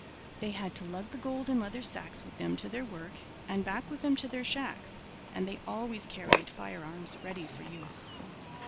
They had to lug the gold in leather sacks with them to their work, and back with them to their shacks, and they always carried firearms ready for use.